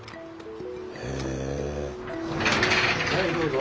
はいどうぞ。